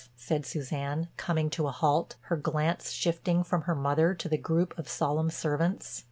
said Suzanne, coming to a halt, her glance shifting from her mother to the group of solemn servants.